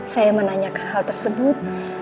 saya menanyakan hal tersebut